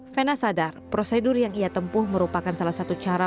vena sadar prosedur yang ia tempuh merupakan salah satu cara